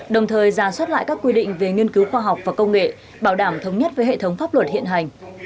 đồng thời ra soát lại các quy định về nghiên cứu khoa học và công nghệ bảo đảm thống nhất với hệ thống pháp luật hiện hành